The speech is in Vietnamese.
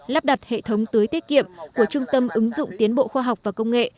lắp đặt hệ thống tưới tiết kiệm của trung tâm ứng dụng tiến bộ khoa học và công nghệ